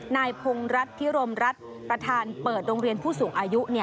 นายพงรัฐพิรมรัฐประธานเปิดโรงเรียนผู้สูงอายุ